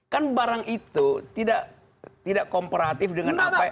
kan barang itu tidak komparatif dengan apa